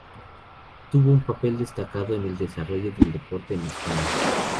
Tuvo un papel destacado en el desarrollo del deporte en España.